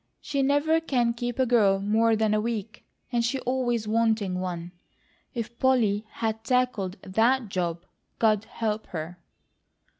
She never can keep a girl more than a week, and she's always wanting one. If Polly has tackled THAT job, God help her."